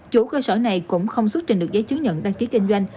chủ cơ sở này cũng không xuất trình được giấy chứng nhận đăng ký kinh doanh